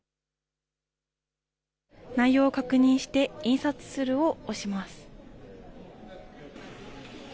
内容を確認して印刷するを押します。